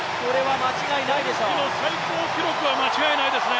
今季の最高記録は間違いないですね。